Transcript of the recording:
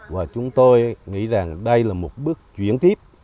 và chúng tôi nghĩ rằng đây là một bước chuyển tiếp